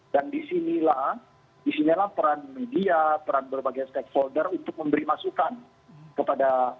dan disinilah peran media peran berbagai stakeholder untuk memberi masukan kepada